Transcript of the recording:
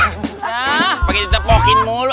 nah pakai kita tepokin mulu